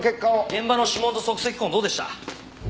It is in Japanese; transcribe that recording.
現場の指紋と足跡痕どうでした？